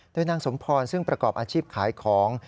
โดยนางสมพรซึ่งประกอบอาชีพขายของ